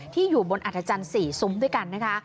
อยู่บนอัฐจันทร์๔ซุ้มด้วยกันนะคะ